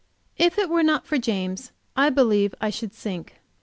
If it were not for James I believe I should sink.